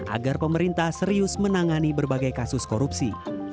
agar pemerintah serius menangani berbagai kasus korupsi